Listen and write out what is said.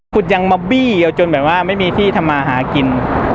คุณยังมาบี้เอาจนแบบว่าไม่มีที่ทำมาหากิน